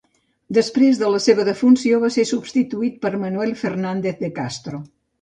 Després de la seva defunció va ser substituït per Manuel Fernández de Castro.